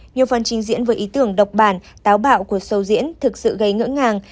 nhiều phần trình diễn với ý tưởng độc bản táo bạo của sầu diễn thực sự gây ngỡ ngàng